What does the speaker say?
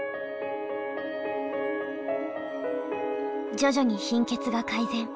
徐々に貧血が改善。